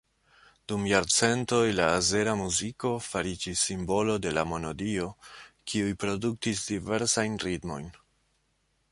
Dum jarcentoj, la azera muziko fariĝis simbolo de la monodio, kiuj produktis diversajn ritmojn.